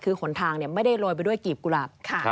คือหนทางไม่ได้โรยไปด้วยกีบกุหลาบ